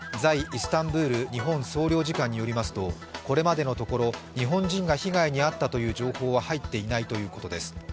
イスタンブール日本総領事館によりますと、これまでのところ、日本人が被害に遭ったという情報は入っていないということです。